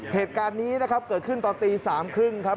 เหตุการณ์นี้นะครับเกิดขึ้นตอนตี๓๓๐ครับ